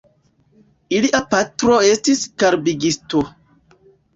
Ilia patro estis karbigisto.